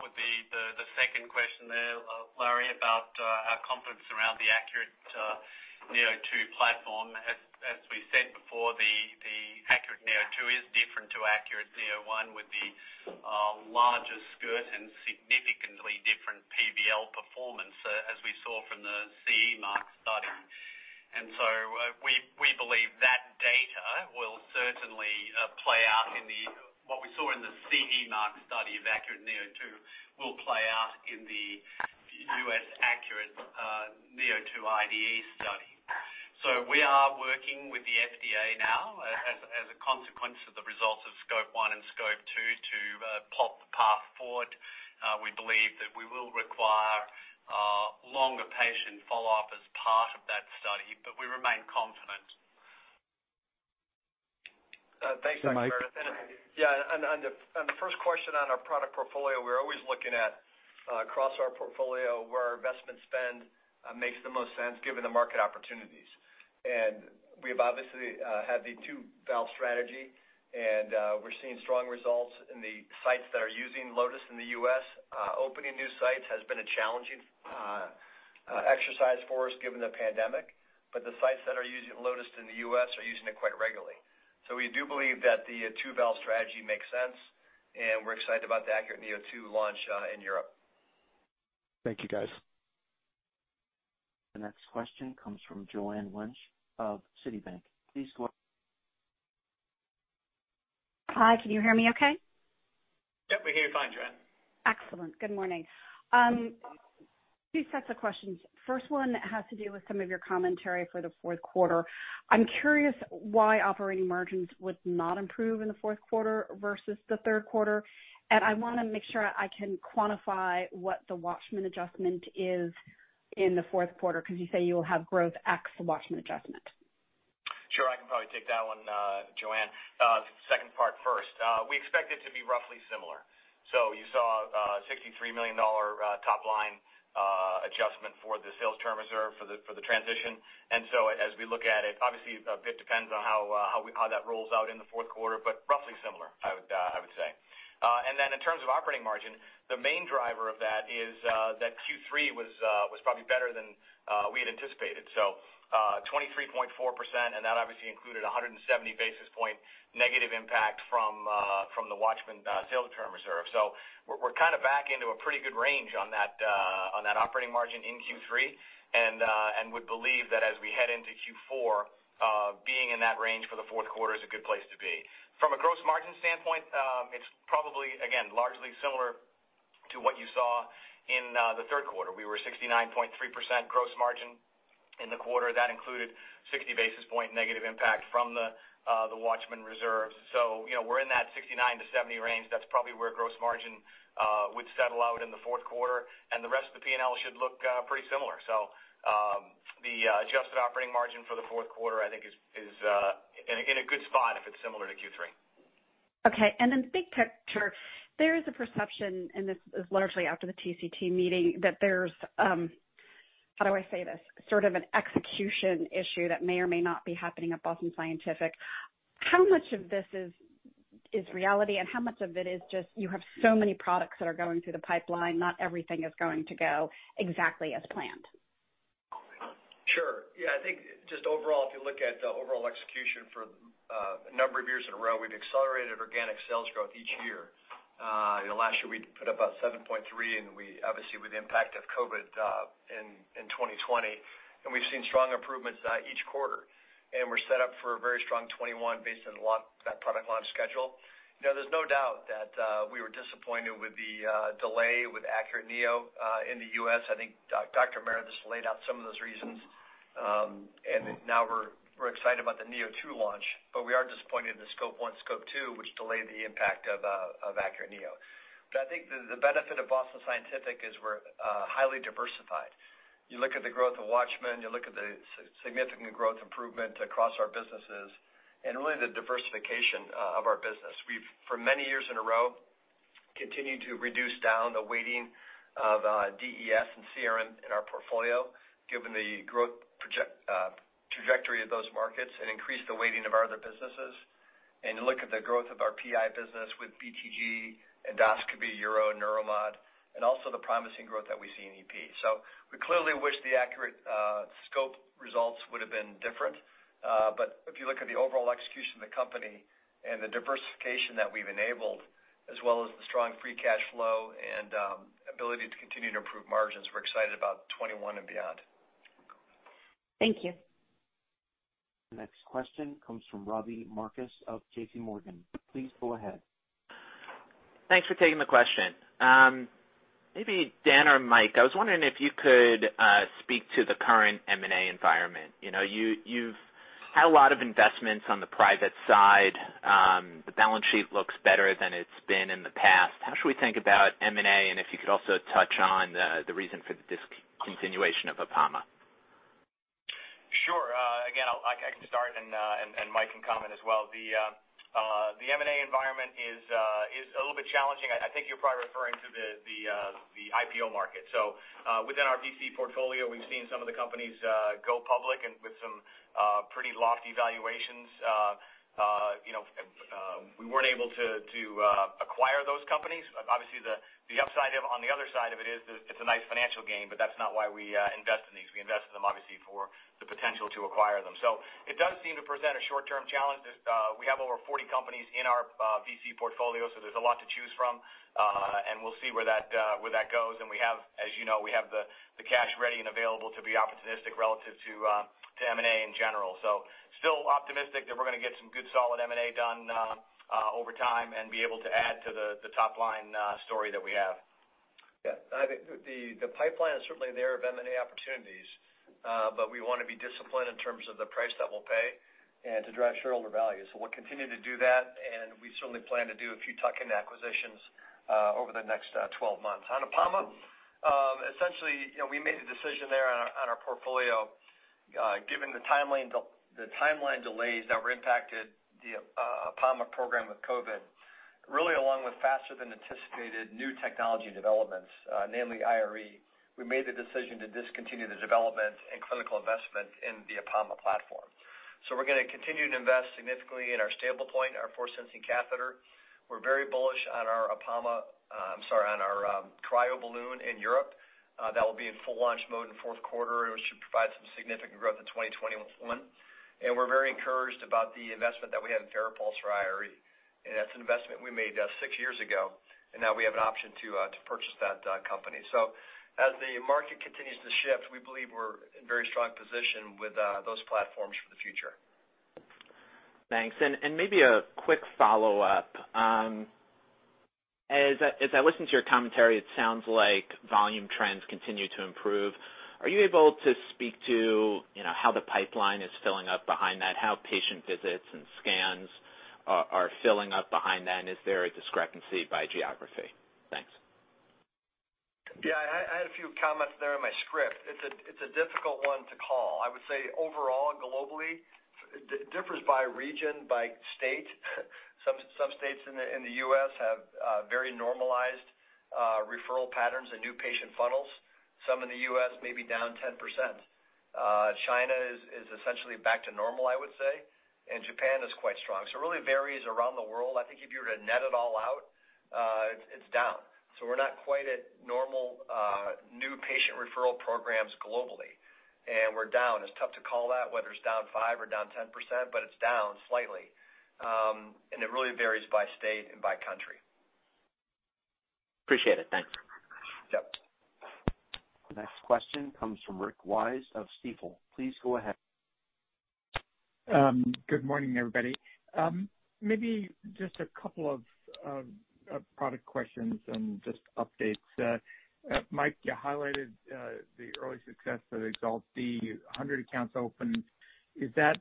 Would be the second question there, Larry, about our confidence around the ACURATE neo2 platform. As we said before, the ACURATE neo2 is different to ACURATE neo1 with the larger skirt and significantly different PVL performance, as we saw from the CE Mark study. We believe that data will certainly play out in the, what we saw in the CE Mark study of ACURATE neo2 will play out in the U.S. ACURATE neo2 IDE study. We are working with the FDA now as a consequence of the results of SCOPE 1 and SCOPE 2 to plot the path forward. We believe that we will require longer patient follow-up as part of that study, but we remain confident. Thanks, Dr. Meredith. Mike? Yeah. On the first question on our product portfolio, we're always looking at across our portfolio where our investment spend makes the most sense given the market opportunities. We've obviously had the two-valve strategy, and we're seeing strong results in the sites that are using Lotus in the U.S. Opening new sites has been a challenging exercise for us given the pandemic, but the sites that are using Lotus in the U.S. are using it quite regularly. We do believe that the two-valve strategy makes sense, and we're excited about the ACURATE neo2 launch in Europe. Thank you, guys. The next question comes from Joanne Wuensch of Citibank. Hi, can you hear me okay? Yep, we hear you fine, Joanne. Excellent. Good morning. Two sets of questions. First one has to do with some of your commentary for the fourth quarter. I am curious why operating margins would not improve in the fourth quarter versus the third quarter. I want to make sure I can quantify what the WATCHMAN adjustment is in the fourth quarter, because you say you will have growth ex WATCHMAN adjustment. Sure. I can probably take that one, Joanne. Second part first. You saw a $63 million top-line adjustment for the sales term reserve for the transition. As we look at it, obviously, a bit depends on how that rolls out in the fourth quarter, but roughly similar, I would say. In terms of operating margin, the main driver of that is that Q3 was probably better than we had anticipated. 23.4%, and that obviously included 170 basis point negative impact from the WATCHMAN sales term reserve. We're kind of back into a pretty good range on that operating margin in Q3, and would believe that as we head into Q4, being in that range for the fourth quarter is a good place to be. From a gross margin standpoint, it's probably, again, largely similar to what you saw in the third quarter. We were 69.3% gross margin in the quarter. That included 60 basis point negative impact from the WATCHMAN reserve. We're in that 69-70 range. That's probably where gross margin would settle out in the fourth quarter, and the rest of the P&L should look pretty similar. The adjusted operating margin for the fourth quarter, I think, is in a good spot if it's similar to Q3. Okay. Big picture, there is a perception, and this is largely after the TCT meeting, that there's, how do I say this, sort of an execution issue that may or may not be happening at Boston Scientific. How much of this is reality and how much of it is just, you have so many products that are going through the pipeline, not everything is going to go exactly as planned? Sure. I think just overall, if you look at the overall execution for a number of years in a row, we've accelerated organic sales growth each year. Last year we put about 7.3, and we obviously with the impact of COVID in 2020, and we've seen strong improvements each quarter. We're set up for a very strong 2021 based on that product launch schedule. There's no doubt that we were disappointed with the delay with ACURATE neo in the U.S. I think Dr. Meredith has laid out some of those reasons. Now we're excited about the neo2 launch, but we are disappointed in the SCOPE 1, SCOPE 2, which delayed the impact of ACURATE neo. I think the benefit of Boston Scientific is we're highly diversified. You look at the growth of WATCHMAN, you look at the significant growth improvement across our businesses, and really the diversification of our business. We've, for many years in a row, continued to reduce down the weighting of DES and CRM in our portfolio, given the growth trajectory of those markets, and increase the weighting of our other businesses. You look at the growth of our PI business with BTG, Endoscopy, Uro Pelvic Health, and neuromod, and also the promising growth that we see in EP. We clearly wish the ACURATE neo2 results would've been different. If you look at the overall execution of the company and the diversification that we've enabled, as well as the strong free cash flow and ability to continue to improve margins, we're excited about 2021 and beyond. Thank you. The next question comes from Robbie Marcus of JPMorgan. Please go ahead. Thanks for taking the question. Maybe Dan or Mike, I was wondering if you could speak to the current M&A environment. You've had a lot of investments on the private side. The balance sheet looks better than it's been in the past. How should we think about M&A, and if you could also touch on the reason for the discontinuation of Apama? Sure. Again, I can start and Mike can comment as well. The M&A environment is a little bit challenging. I think you're probably referring to the. The IPO market. Within our VC portfolio, we've seen some of the companies go public and with some pretty lofty valuations. We weren't able to acquire those companies. Obviously, the upside on the other side of it is that it's a nice financial gain, but that's not why we invest in these. We invest in them, obviously, for the potential to acquire them. It does seem to present a short-term challenge that we have over 40 companies in our VC portfolio, so there's a lot to choose from. We'll see where that goes, and we have, as you know, the cash ready and available to be opportunistic relative to M&A in general. Still optimistic that we're going to get some good solid M&A done over time and be able to add to the top-line story that we have. Yeah, I think the pipeline is certainly there of M&A opportunities. We want to be disciplined in terms of the price that we'll pay and to drive shareholder value. We'll continue to do that, and we certainly plan to do a few tuck-in acquisitions over the next 12 months. On Apama, essentially, we made a decision there on our portfolio, given the timeline delays that were impacted, the Apama program with COVID, really along with faster than anticipated new technology developments, namely IRE. We made the decision to discontinue the development and clinical investment in the Apama platform. We're going to continue to invest significantly in our STABLEPOINT, our force sensing catheter. We're very bullish on our cryo balloon in Europe. That will be in full launch mode in the fourth quarter, which should provide some significant growth in 2021. We're very encouraged about the investment that we have in FARAPULSE for IRE, and that's an investment we made six years ago, and now we have an option to purchase that company. As the market continues to shift, we believe we're in very strong position with those platforms for the future. Thanks. Maybe a quick follow-up. As I listen to your commentary, it sounds like volume trends continue to improve. Are you able to speak to how the pipeline is filling up behind that, how patient visits and scans are filling up behind that, and is there a discrepancy by geography? Thanks. Yeah, I had a few comments there in my script. It's a difficult one to call. I would say overall, globally, it differs by region, by state. Some states in the U.S. have very normalized referral patterns and new patient funnels. Some in the U.S. may be down 10%. China is essentially back to normal, I would say, and Japan is quite strong. It really varies around the world. I think if you were to net it all out, it's down. We're not quite at normal new patient referral programs globally, and we're down. It's tough to call that whether it's down 5% or down 10%, but it's down slightly. It really varies by state and by country. Appreciate it. Thanks. Yep. The next question comes from Rick Wise of Stifel. Please go ahead. Good morning, everybody. Maybe just a couple of product questions and just updates. Mike, you highlighted the early success of EXALT, the 100 accounts open. Is that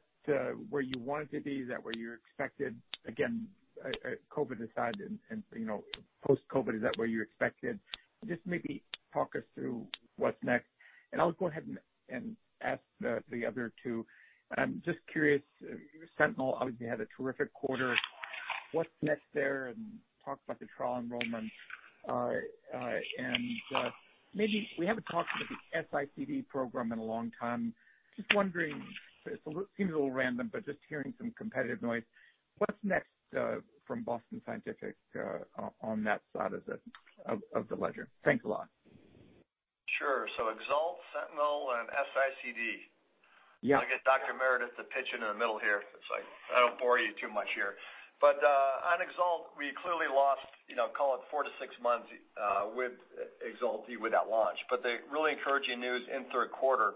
where you wanted to be? Is that where you expected? Again, COVID aside and post-COVID, is that where you expected? Just maybe talk us through what's next. I'll go ahead and ask the other two. I'm just curious, your SENTINEL obviously had a terrific quarter. What's next there? Talk about the trial enrollment. Maybe we haven't talked about the S-ICD program in a long time. Just wondering, it seems a little random, but just hearing some competitive noise. What's next from Boston Scientific on that side of the ledger? Thanks a lot. Sure. EXALT, SENTINEL, and S-ICD. Yeah. I'll get Dr. Meredith to pitch in in the middle here. I don't bore you too much here. On EXALT, we clearly lost, call it four to six months with EXALT with that launch. The really encouraging news in the third quarter,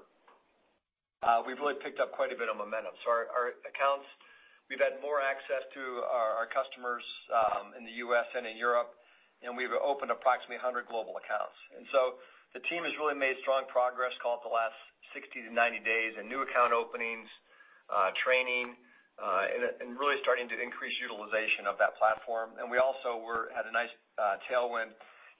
we've really picked up quite a bit of momentum. Our accounts, we've had more access to our customers in the U.S. and in Europe, and we've opened approximately 100 global accounts. The team has really made strong progress, call it the last 60-90 days in new account openings, training, and really starting to increase utilization of that platform. We also had a nice tailwind.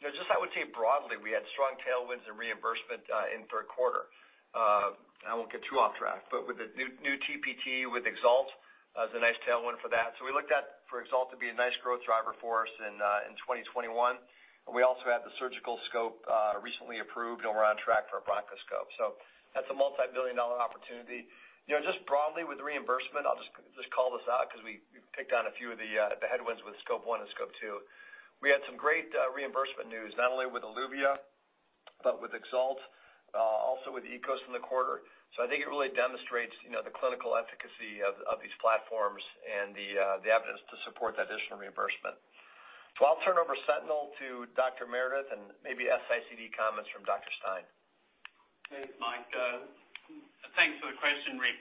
Just I would say broadly, we had strong tailwinds and reimbursement in the third quarter. I won't get too off track, but with the new TPT with EXALT, it was a nice tailwind for that. We looked at for EXALT to be a nice growth driver for us in 2021. We also had the surgical scope recently approved, and we're on track for a bronchoscope. That's a multibillion-dollar opportunity. Just broadly with reimbursement, I'll just call this out because we've picked on a few of the headwinds with SCOPE 1 and SCOPE 2. We had some great reimbursement news, not only with Eluvia, but with EXALT, also with EKOS in the quarter. I think it really demonstrates the clinical efficacy of these platforms and the evidence to support that additional reimbursement. I'll turn over SENTINEL to Dr. Meredith and maybe S-ICD comments from Dr. Stein. Thanks, Mike. Thanks for the question, Rick.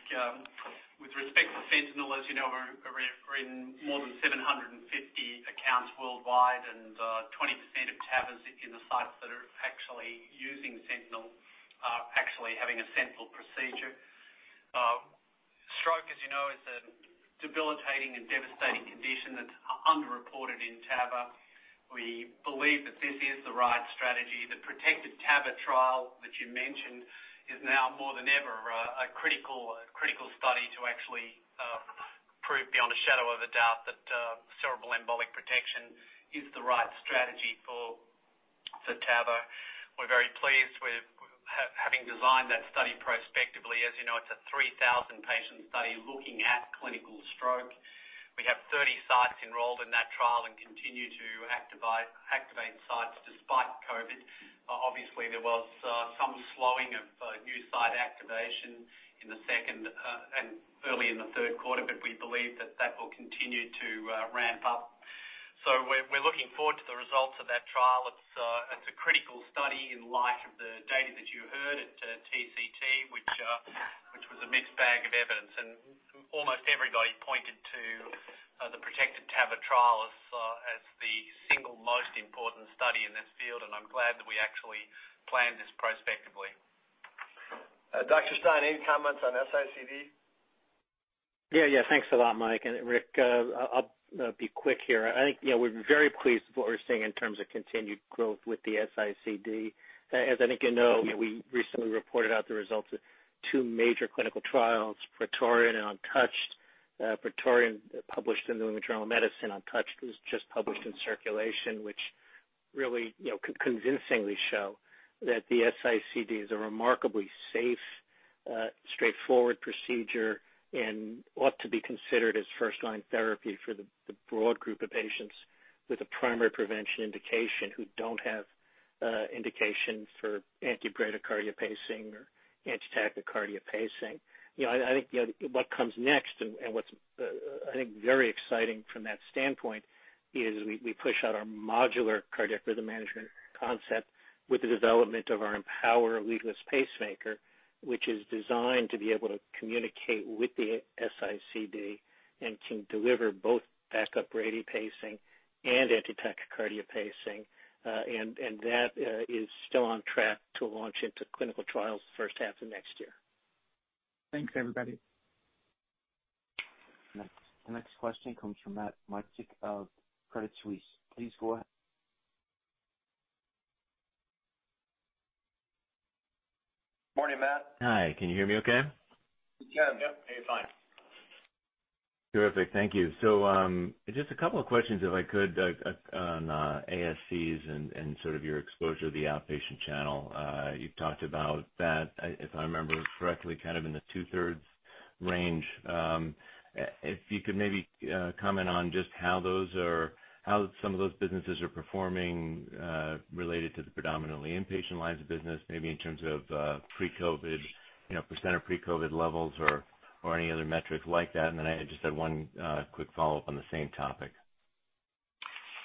With respect to SENTINEL, as you know, we're in more than 750 accounts worldwide, and 20% of TAVRs in the sites that are actually using SENTINEL are actually having a SENTINEL procedure. Stroke, as you know, is a debilitating and devastating condition that's underreported in TAVR. We believe that this is the right strategy. The PROTECTED TAVR trial that you mentioned is now more than ever a critical study to actually Prove beyond a shadow of a doubt that cerebral embolic protection is the right strategy for TAVR. We're very pleased with having designed that study prospectively. As you know, it's a 3,000-patient study looking at clinical stroke. We have 30 sites enrolled in that trial and continue to activate sites despite COVID. Obviously, there was some slowing of new site activation in the second and early in the third quarter, but we believe that that will continue to ramp up. We're looking forward to the results of that trial. It's a critical study in light of the data that you heard at TCT, which was a mixed bag of evidence. Almost everybody pointed to the PROTECTED TAVR trial as the single most important study in this field, and I'm glad that we actually planned this prospectively. Dr. Stein, any comments on S-ICD? Yeah. Thanks a lot, Mike and Rick. I'll be quick here. I think we're very pleased with what we're seeing in terms of continued growth with the S-ICD. As I think you know, we recently reported out the results of two major clinical trials, PRAETORIAN and UNTOUCHED. PRAETORIAN, published in the New England Journal of Medicine. UNTOUCHED was just published in Circulation, which really convincingly show that the S-ICD is a remarkably safe, straightforward procedure and ought to be considered as first-line therapy for the broad group of patients with a primary prevention indication who don't have indication for anti-bradycardia pacing or anti-tachycardia pacing. I think what comes next and what's, I think, very exciting from that standpoint is we push out our modular cardiac rhythm management concept with the development of our EMPOWER leadless pacemaker, which is designed to be able to communicate with the S-ICD and can deliver both backup brady pacing and antitachycardia pacing. That is still on track to launch into clinical trials the first half of next year. Thanks, everybody. The next question comes from Matt Miksic of Credit Suisse. Please go ahead. Morning, Matt. Hi, can you hear me okay? Can, yep. You're fine. Terrific, thank you. Just a couple of questions, if I could, on ASCs and sort of your exposure to the outpatient channel. You've talked about that, if I remember correctly, kind of in the two-thirds range. If you could maybe comment on just how some of those businesses are performing related to the predominantly inpatient lines of business, maybe in terms of pre-COVID, percent of pre-COVID levels or any other metrics like that. I just had one quick follow-up on the same topic.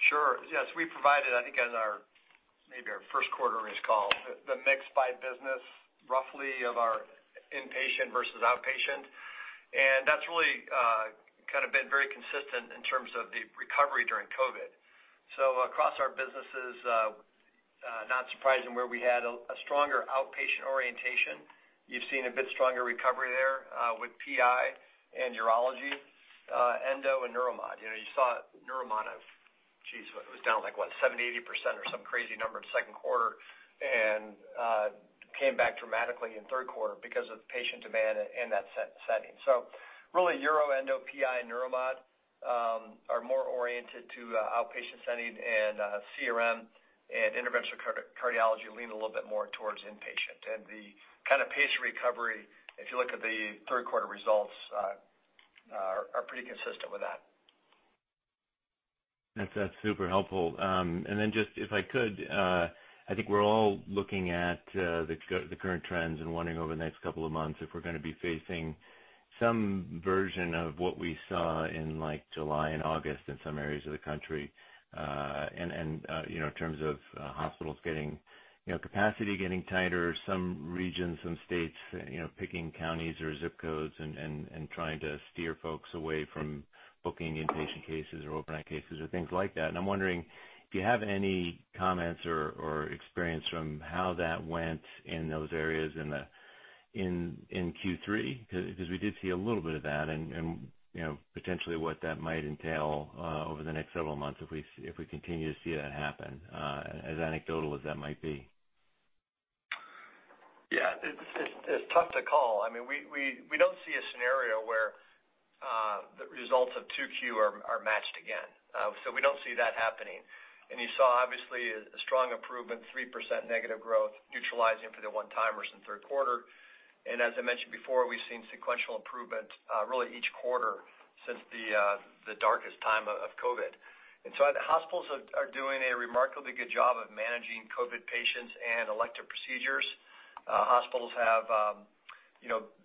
Sure. Yes. We provided, I think, maybe our first quarter earnings call, the mix by business roughly of our inpatient versus outpatient. That's really kind of been very consistent in terms of the recovery during COVID. Across our businesses, not surprising where we had a stronger outpatient orientation. You've seen a bit stronger recovery there with PI and urology, endo and neuromod. You saw neuromod, geez, what it was down like, what? 70%, 80% or some crazy number in the second quarter and came back dramatically in the third quarter because of patient demand in that setting. Really Uro Pelvic Health, endo, PI, neuromod are more oriented to outpatient setting and CRM and interventional cardiology lean a little bit more towards inpatient. The kind of pace of recovery, if you look at the third quarter results, are pretty consistent with that. That's super helpful. Then just if I could, I think we're all looking at the current trends and wondering over the next couple of months if we're going to be facing some version of what we saw in July and August in some areas of the country in terms of hospitals capacity getting tighter, some regions, some states picking counties or zip codes and trying to steer folks away from booking inpatient cases or overnight cases or things like that. I'm wondering if you have any comments or experience from how that went in those areas in Q3, because we did see a little bit of that and potentially what that might entail over the next several months if we continue to see that happen, as anecdotal as that might be. Yeah, it's tough to call. We don't see a scenario where the results of 2Q are matched again. We don't see that happening. You saw, obviously, a strong improvement, 3% negative growth, neutralizing for the one-timers in the third quarter. As I mentioned before, we've seen sequential improvement really each quarter since the darkest time of COVID. The hospitals are doing a remarkably good job of managing COVID patients and elective procedures. Hospitals have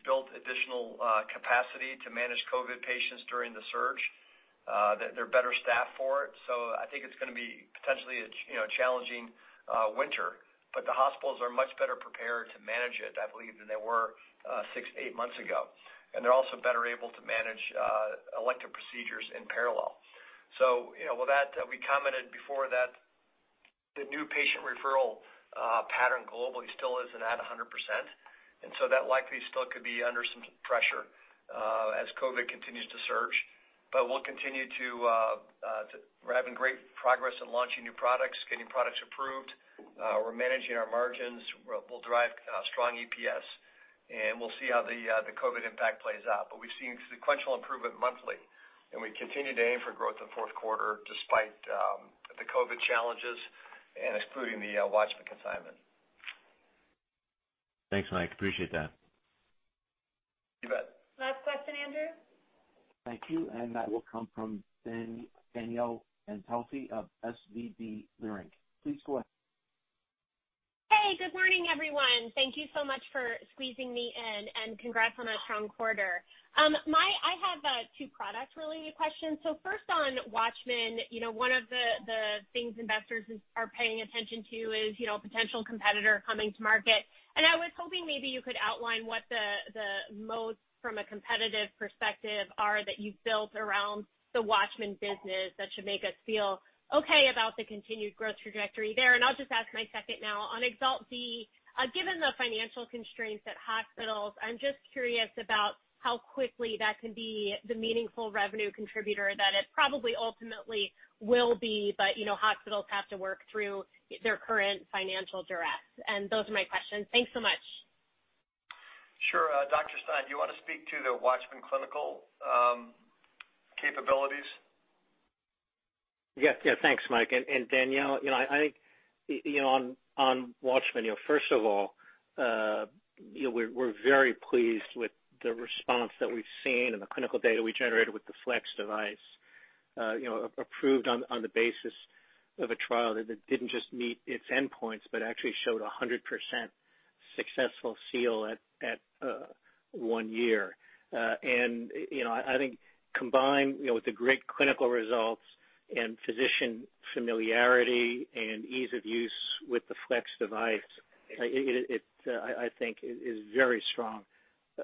built additional capacity to manage COVID patients during the surge. They're better staffed for it. I think it's going to be potentially a challenging winter, but the hospitals are much better prepared to manage it, I believe, than they were six to eight months ago. They're also better able to manage elective procedures in parallel. With that, we commented before that the new patient referral pattern globally still isn't at 100%, that likely still could be under some pressure as COVID continues to surge. We're having great progress in launching new products, getting products approved. We're managing our margins. We'll drive strong EPS. We'll see how the COVID impact plays out. We've seen sequential improvement monthly, and we continue to aim for growth in fourth quarter despite the COVID challenges and excluding the WATCHMAN consignment. Thanks, Mike. Appreciate that. You bet. Last question, Andrew. Thank you. That will come from Danielle Antalffy of SVB Leerink. Please go ahead. Hey, good morning, everyone. Thank you so much for squeezing me in, and congrats on a strong quarter. I have two product-related questions. First on WATCHMAN, one of the things investors are paying attention to is potential competitor coming to market. I was hoping maybe you could outline what the most from a competitive perspective are that you've built around the WATCHMAN business that should make us feel okay about the continued growth trajectory there. I'll just ask my second now on EXALT D. Given the financial constraints at hospitals, I'm just curious about how quickly that can be the meaningful revenue contributor that it probably ultimately will be, but hospitals have to work through their current financial duress. Those are my questions. Thanks so much. Sure. Dr. Stein, do you want to speak to the WATCHMAN clinical capabilities? Thanks, Mike. Danielle, I think on WATCHMAN, first of all, we're very pleased with the response that we've seen and the clinical data we generated with the Flex device approved on the basis of a trial that didn't just meet its endpoints, but actually showed 100% successful seal at one year. I think combined with the great clinical results and physician familiarity and ease of use with the Flex device, I think is very strong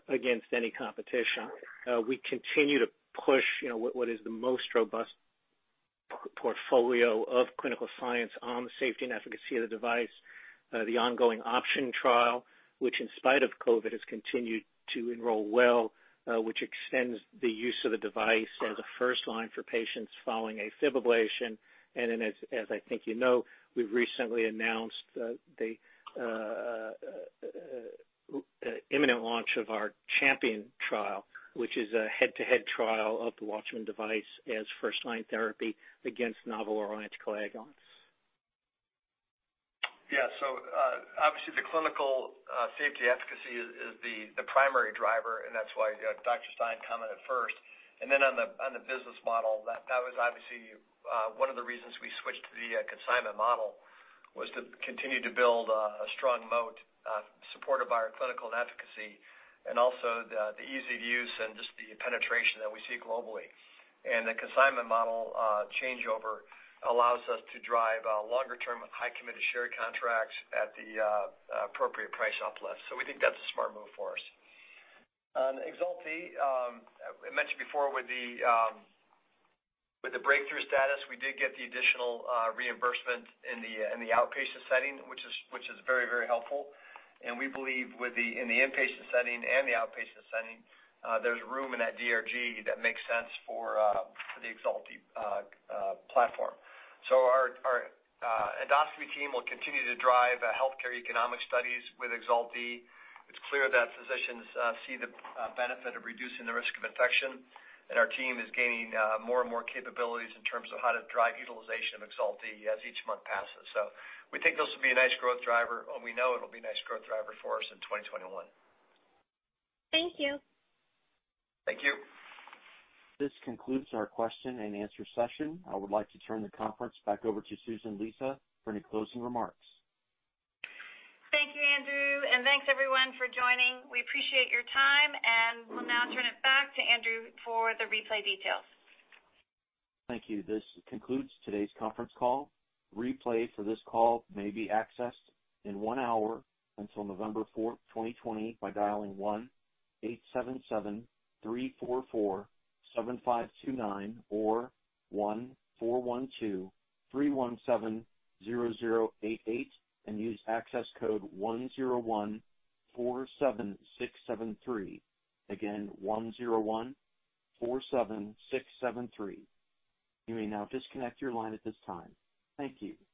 against any competition. We continue to push what is the most robust portfolio of clinical science on the safety and efficacy of the device, the ongoing OPTION trial, which in spite of COVID, has continued to enroll well, which extends the use of the device as a first line for patients following AFib ablation. As I think you know, we've recently announced the imminent launch of our CHAMPION-AF trial, which is a head-to-head trial of the WATCHMAN device as first-line therapy against novel oral anticoagulants. Obviously the clinical safety efficacy is the primary driver, and that's why Dr. Stein commented first. Then on the business model, that was obviously one of the reasons we switched to the consignment model, was to continue to build a strong moat supported by our clinical and efficacy and also the ease of use and just the penetration that we see globally. The consignment model changeover allows us to drive longer-term high committed share contracts at the appropriate price uplift. We think that's a smart move for us. On EXALT D, I mentioned before with the breakthrough status, we did get the additional reimbursement in the outpatient setting, which is very helpful. We believe in the inpatient setting and the outpatient setting, there's room in that DRG that makes sense for the EXALT D platform. Our endoscopy team will continue to drive healthcare economic studies with EXALT D. It's clear that physicians see the benefit of reducing the risk of infection, and our team is gaining more and more capabilities in terms of how to drive utilization of EXALT D as each month passes. We think this will be a nice growth driver, and we know it'll be a nice growth driver for us in 2021. Thank you. Thank you. This concludes our question and answer session. I would like to turn the conference back over to Susan Lisa for any closing remarks. Thank you, Andrew. Thanks everyone for joining. We appreciate your time, and we'll now turn it back to Andrew for the replay details. Thank you. This concludes today's conference call. Replay for this call may be accessed in one hour until November fourth, 2020 by dialing 1-877-344-7529 or 1-412-317-0088 and use access code 10147673. Again, 10147673. You may now disconnect your line at this time. Thank you.